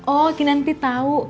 oh kita nanti tahu